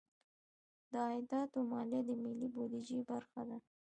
د عایداتو مالیه د ملي بودیجې برخه ده.